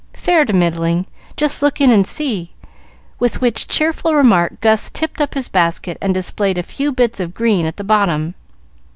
"Fair to middling. Just look in and see;" with which cheerful remark Gus tipped up his basket and displayed a few bits of green at the bottom.